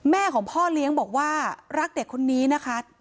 แม่ของพ่อเลี้ยงบอกว่ารักเด็กคนนี้นะคะ